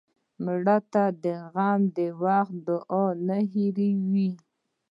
مړه ته د غم وخت دعا نه هېروې